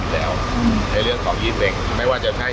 เพราะว่าเมืองนี้จะเป็นที่สุดท้าย